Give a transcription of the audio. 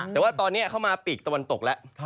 แต่ว่าตอนนี้เข้ามาปีกตะวันตกแล้ว